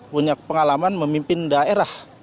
punya pengalaman memimpin daerah